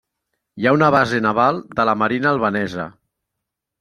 Hi ha una base naval de la marina albanesa.